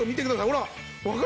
ほら。